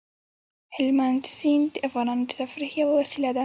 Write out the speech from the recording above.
هلمند سیند د افغانانو د تفریح یوه وسیله ده.